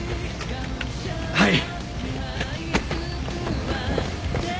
はい！